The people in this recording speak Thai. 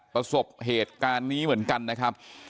ประสบเหตุการณ์นี้เหมือนกันนะครับ